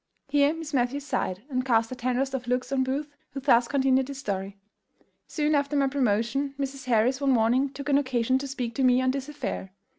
Here Miss Matthews sighed, and cast the tenderest of looks on Booth, who thus continued his story: "Soon after my promotion Mrs. Harris one morning took an occasion to speak to me on this affair.